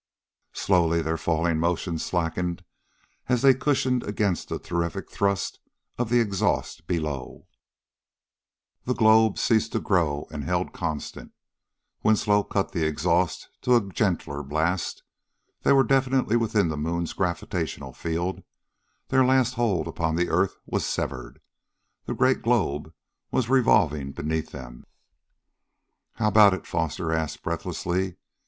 Slowly their falling motion slackened as they cushioned against the terrific thrust of the exhaust below. The globe ceased to grow and held constant. Winslow cut the exhaust to a gentler blast. They were definitely within the moon's gravitational field; their last hold upon the earth was severed. The great globe was revolving beneath them. "How about it?" Foster asked breathlessly.